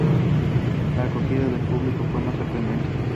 La acogida del público fue más que sorprendente.